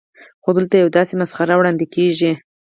خو دلته یوه داسې مسخره وړاندې کېږي.